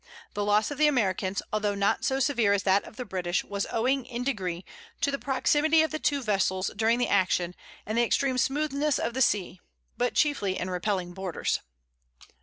The loss of the Americans, although not so severe as that of the British, was owing, in a degree, to the proximity of the two vessels during the action, and the extreme smoothness of the sea, but chiefly in repelling boarders.